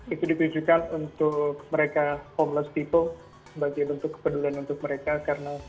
itu ditujukan untuk mereka homeless people sebagai bentuk kepedulian untuk mereka karena